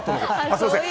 すみません。